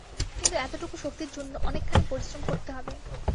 কিন্তু এতটুকু শক্তির জন্য অনেকখানি পরিশ্রম করতে হবে।